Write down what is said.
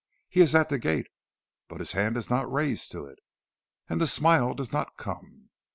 He is at the gate, but his hand is not raised to it, and the smile does not come.